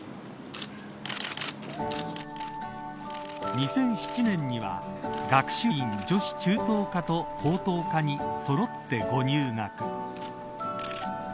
２００７年には学習院女子中等科と高等科にそろってご入学。